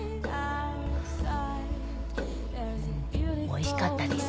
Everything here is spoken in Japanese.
おいしかったです。